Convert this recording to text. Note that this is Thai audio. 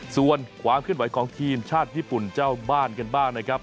ส่วนความเคลื่อนไหวของทีมชาติญี่ปุ่นเจ้าบ้านกันบ้างนะครับ